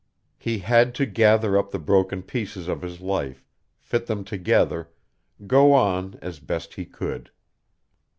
He had to gather up the broken pieces of his life, fit them together, go on as best he could.